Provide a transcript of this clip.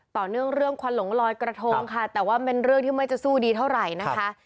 เรื่องควันหลงลอยกระทงค่ะแต่ว่าเป็นเรื่องที่ไม่จะสู้ดีเท่าไหร่นะคะ